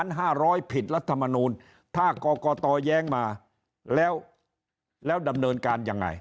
ห้าร้อยผิดรัฐมนูลถ้ากรกตแย้งมาแล้วแล้วดำเนินการยังไง